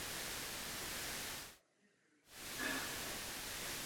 Dobrá práce, musím říci.